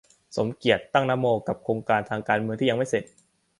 สมเกียรติ ตั้งนโม กับโครงการทางการเมืองที่ยังไม่เสร็จ